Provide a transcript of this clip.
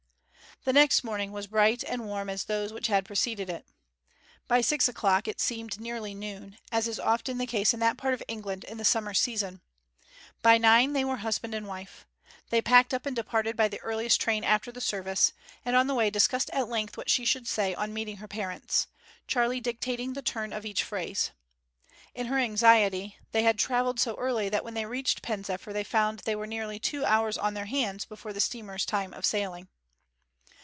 The next morning was bright and warm as those which had preceded it. By six o'clock it seemed nearly noon, as is often the case in that part of England in the summer season. By nine they were husband and wife. They packed up and departed by the earliest train after the service; and on the way discussed at length what she should say on meeting her parents, Charley dictating the turn of each phrase. In her anxiety they had travelled so early that when they reached Pen zephyr they found there were nearly two hours on their hands before the steamer's time of sailing.